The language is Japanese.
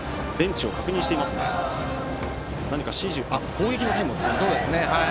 攻撃のタイムを使いましたね。